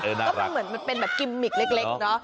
เออน่ารักเหมือนไปกิมมิกเล็กเนาะ